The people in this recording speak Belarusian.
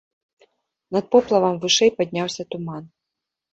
Над поплавам вышэй падняўся туман.